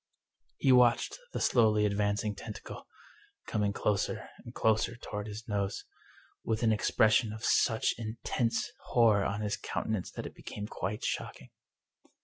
He watched the slowly advancing tentacle, coming closer and closer toward his nose, with an expression of such in tense horror on his countenance that it became quite shock ing.